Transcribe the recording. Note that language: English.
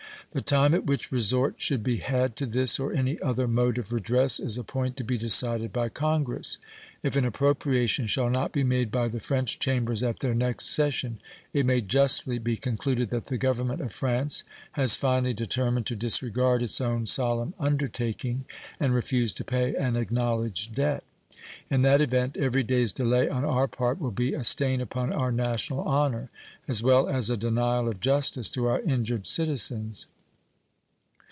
The time at which resort should be had to this or any other mode of redress is a point to be decided by Congress. If an appropriation shall not be made by the French Chambers at their next session, it may justly be concluded that the Government of France has finally determined to disregard its own solemn undertaking and refuse to pay an acknowledged debt. In that event every day's delay on our part will be a stain upon our national honor, as well as a denial of justice to our injured citizens.